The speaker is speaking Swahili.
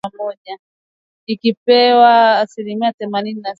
ikipewa asilimia themanini na sita